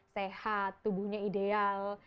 sehat tubuhnya ideal